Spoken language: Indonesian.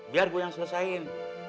biar gua yang selesain